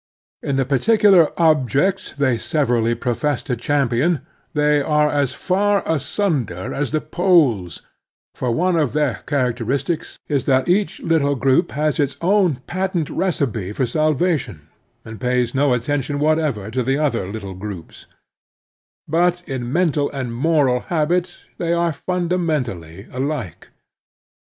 In the particular objects they severally profess to cham pion they are as far asimder as the poles, for one of their characteristics is that each little group has its own patent recipe for salvation and pays no attention whatever to the other little groups ; but in mental and moral habit they are fimda mentally alike.